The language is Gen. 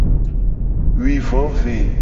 Wi vo ve.